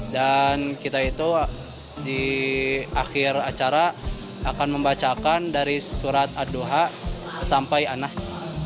dan kita itu di akhir acara akan membacakan dari surat ad duhah sampai anas